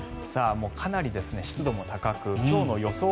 かなり湿度も高く今日の予想